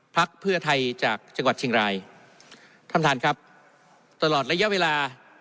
พักเพื่อไทยจากจังหวัดเชียงรายท่านท่านครับตลอดระยะเวลา